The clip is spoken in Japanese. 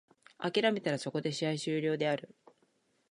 諦めたらそこで試合終了である。